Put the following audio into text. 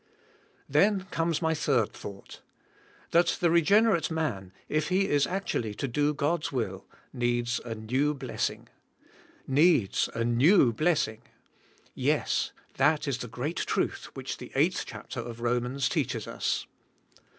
Then comes my third thoug ht. That the reg'en erate man, if he is actuall}^ to do God's will, needs a new blessing . Needs a new blessing . Yes, that is the g reat truth which the eig hth chapter of Romans teaches us.